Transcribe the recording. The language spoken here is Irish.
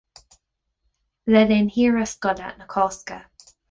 le linn shaoire scoile na Cásca.